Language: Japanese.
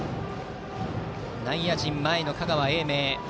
内野陣、前の香川・英明。